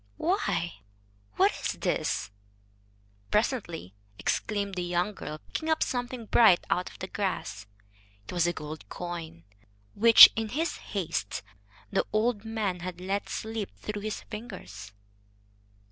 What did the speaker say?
"Why, what is this?" presently exclaimed the young girl, picking up something bright out of the grass. It was a gold coin, which, in his haste, the old man had let slip through his fingers.